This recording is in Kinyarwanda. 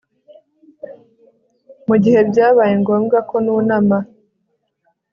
Mugihe byabaye ngombwa ko nunama